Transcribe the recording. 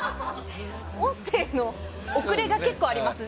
音声の遅れが結構ありますね。